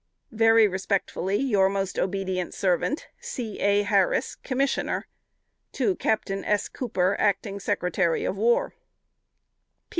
"Very respectfully, Your most obedient servant, C. A. HARRIS, Commissioner. Captain S. COOPER, Acting Sec'y of War."